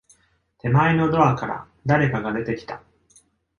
手前のドアから、誰かが出てきた。